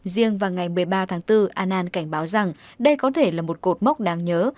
riêng vào ngày một mươi ba tháng bốn anan cảnh báo rằng đây có thể là một cột mốc đáng nhớ